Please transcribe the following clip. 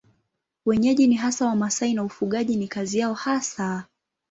Wenyeji ni hasa Wamasai na ufugaji ni kazi yao hasa.